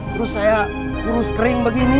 terus saya kurus kering begini